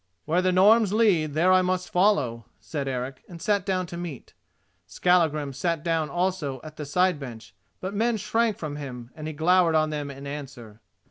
"Where the Norns lead there I must follow," said Eric, and sat down to meat. Skallagrim sat down also at the side bench; but men shrank from him, and he glowered on them in answer.